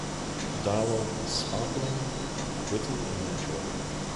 The dialogue is sparkling, witty and natural.